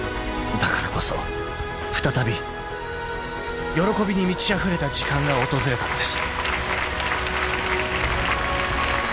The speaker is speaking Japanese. ［だからこそ再び喜びに満ちあふれた時間が訪れたのです］